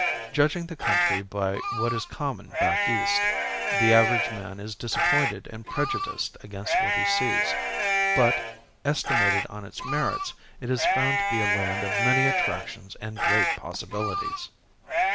Judging the country by what is common back east, the average man is disappointed and prejudiced against what he sees; but, estimated on its merits, it is found to be a land of many attractions and great possibilities.